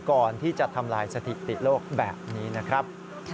ก่อนที่จะทำลายสถิติโลกแบบนี้นะครับ